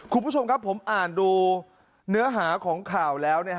คุณผู้ชมครับผมอ่านดูเนื้อหาของข่าวแล้ว